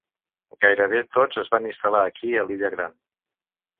Gairebé tots es van instal·lar aquí a l'illa Gran.